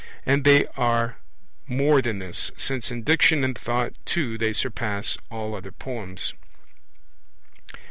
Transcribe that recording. And they are more than this, since in Diction and Thought too they surpass all other poems.